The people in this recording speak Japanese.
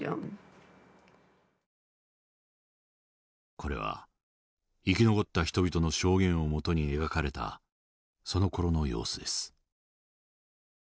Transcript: これは生き残った人々の証言を基に描かれたそのころの様子です。